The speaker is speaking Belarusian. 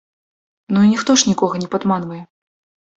Ну і ніхто ж нікога не падманвае.